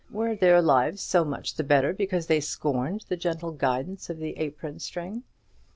Were their lives so much the better because they scorned the gentle guidance of the apron string?